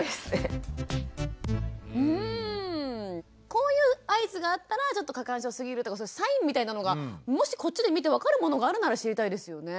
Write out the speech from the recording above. こういう合図があったらちょっと過干渉すぎるとかそういうサインみたいなのがもしこっちで見て分かるものがあるなら知りたいですよね。